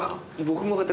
僕も。